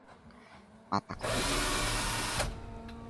Mapa covid.